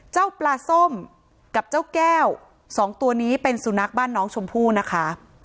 เจ้าปลาส้มกับเจ้าแก้วสองตัวนี้เป็นสุนัขบ้านน้องชมพู่นะคะ